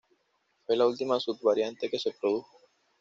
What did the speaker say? Fue la última sub-variante que se produjo.